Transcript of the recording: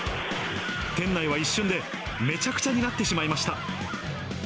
店内は一瞬でめちゃくちゃになってしまいました。